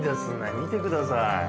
見てください。